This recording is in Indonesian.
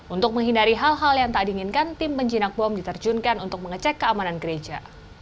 untuk menghindari hal hal yang tak diinginkan tim penjinak bom diterjunkan untuk mengecek keamanan gereja